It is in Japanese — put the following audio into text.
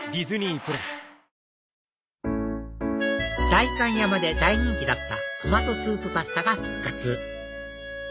代官山で大人気だったトマトスープパスタが復活